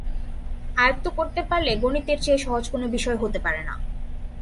আয়ত্ত করতে পারলে গণিতের চেয়ে সহজ কোনো বিষয় হতে পারে না।